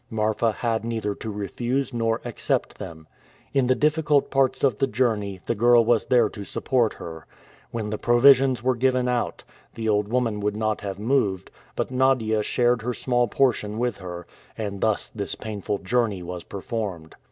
Marfa had neither to refuse nor accept them. In the difficult parts of the journey, the girl was there to support her. When the provisions were given out, the old woman would not have moved, but Nadia shared her small portion with her; and thus this painful journey was performed.